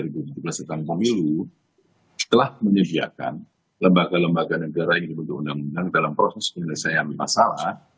yang nomor tiga tahun dua ribu tujuh belas setelah pemilu telah menyediakan lembaga lembaga negara yang dibutuhkan dalam proses penyelesaian masalah